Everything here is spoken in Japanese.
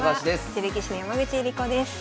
女流棋士の山口恵梨子です。